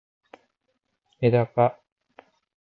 めだか